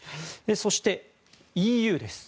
そして、ＥＵです。